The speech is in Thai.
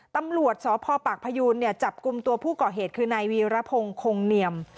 ตำรวจสพปากพยูนจับกลุ่มตัวผู้ก่อเหตุคือนายวีรพงศ์คงเนียม